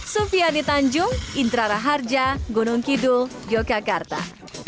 supyani tanjung intrara harja gunung kidul yogyakarta